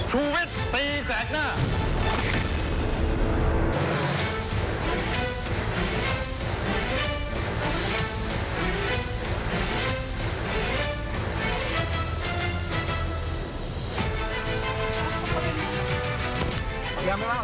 ชุวิตตีแสดหน้า